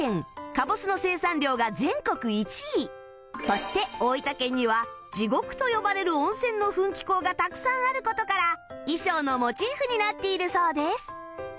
実はそして大分県には地獄と呼ばれる温泉の噴気孔がたくさんある事から衣装のモチーフになっているそうです